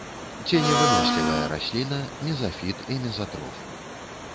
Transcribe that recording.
Ценевынослівая расліна, мезафіт і мезатроф.